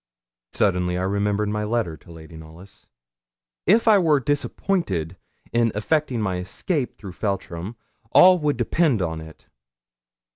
Suddenly I remembered my letter to Lady Knollys. If I were disappointed in effecting my escape through Feltram, all would depend upon it.